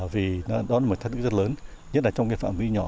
vì nó là một thách thức rất lớn nhất là trong cái phạm vi nhỏ